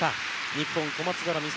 日本小松原美里